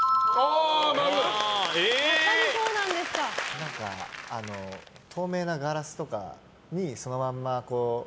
何か透明なガラスとかにそのままこう。